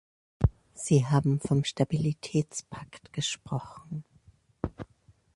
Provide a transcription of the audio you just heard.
Sie haben vom Stabilitätspakt gesprochen.